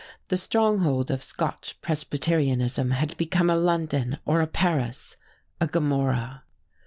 The stronghold of Scotch Presbyterianism had become a London or a Paris, a Gomorrah!